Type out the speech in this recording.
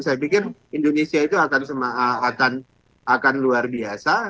saya pikir indonesia itu akan luar biasa